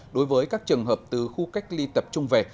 đối với các trường hợp từ khu cách ly tập trung về